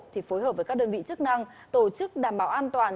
thì phối hợp với các đơn vị chức năng tổ chức đảm bảo an toàn